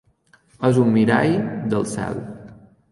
És un mirall del cel.